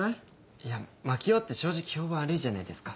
いや槙尾って正直評判悪いじゃないですか。